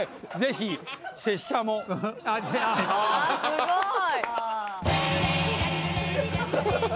すごい。